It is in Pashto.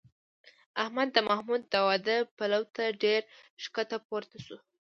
احمد د محمود د واده پلو ته ډېر ښکته پورته شو